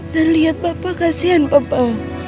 dan liat papa kasihan papa